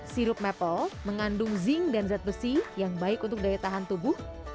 sirup maple mengandung zinc dan zat besi yang baik untuk daya tahan tubuh